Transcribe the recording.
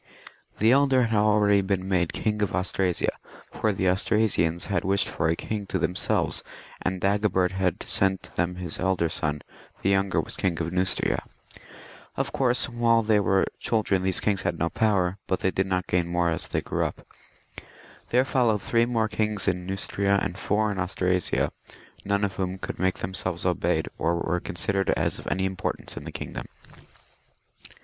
The elder had already been made King of Austrasia, for the Austrasians had wished for a king to themselves, and Dagobert had sent them his elder son ;• the younger was King of Neustria. Of course while they were children these kings had no power, but VI.] THE MAYORS OF THE PALACE. 27 they did not gain more as they grew up. There followed three more kings in Neustria and four in Anstrasia, none of whom could make themselves obeyed, or were con sidered as of any importance in the kingdom.